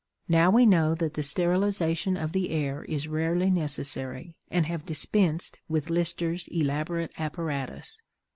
Now we know that the sterilization of the air is rarely necessary and have dispensed with Lister's elaborate apparatus.